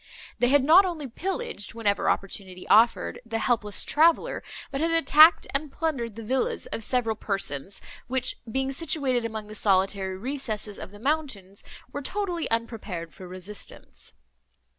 They had not only pillaged, whenever opportunity offered, the helpless traveller, but had attacked, and plundered the villas of several persons, which, being situated among the solitary recesses of the mountains, were totally unprepared for resistance.